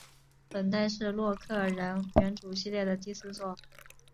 本代是洛克人元祖系列的第四作。